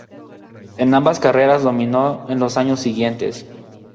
En ambas carreras dominó en los años siguientes.